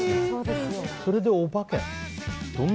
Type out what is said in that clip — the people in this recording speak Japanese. それでお化けなの？